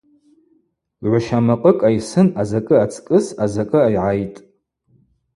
Гӏвщамакъыкӏ айсын азакӏы ацкӏыс азакӏы айгӏайтӏ.